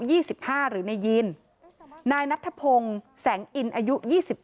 ยี่สิบห้าหรือในยินนายนัพทะพงแสงอินอายุยี่สิบ